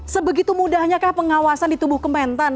sebegitu mudahnya kah pengawasan di tubuh kementan